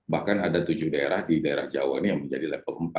bahkan ada tujuh daerah di daerah jawa ini yang menjadi level empat